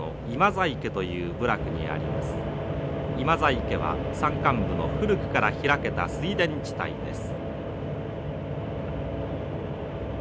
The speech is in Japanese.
今在家は山間部の古くから開けた水田地帯です。